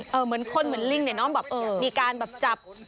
อ่าเหมือนคนเหมือนลิงเนี่ยน้ำแบบ